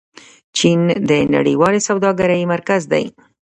چین د نړیوالې سوداګرۍ مرکز دی.